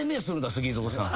ＳＵＧＩＺＯさん。